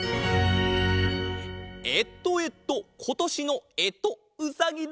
えっとえっとことしのえとうさぎだ！